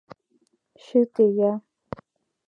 — Чыте-я...